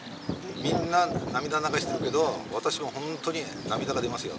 みんな、涙流してるけど、私も本当に涙が出ますよ。